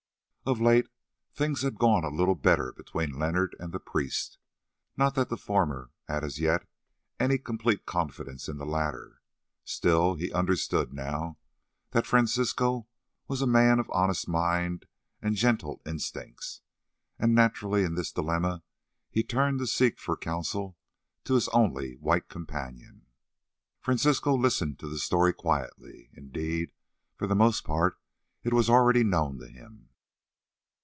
Of late, things had gone a little better between Leonard and the priest. Not that the former had as yet any complete confidence in the latter. Still, he understood now that Francisco was a man of honest mind and gentle instincts, and naturally in this dilemma he turned to seek for counsel to his only white companion. Francisco listened to the story quietly; indeed, for the most part it was already known to him.